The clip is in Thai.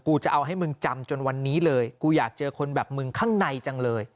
จะเอาให้มึงจำจนวันนี้เลยกูอยากเจอคนแบบมึงข้างในจังเลย